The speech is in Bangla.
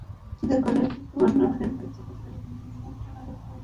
এতে করে অতিরিক্ত পণ্যবাহী গাড়ি চলাচলের ওপর নিয়ন্ত্রণ আরোপ করা যাবে।